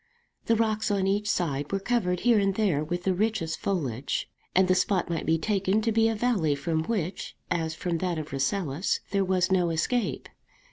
The rocks on each side were covered here and there with the richest foliage; and the spot might be taken to be a valley from which, as from that of Rasselas, there was no escape.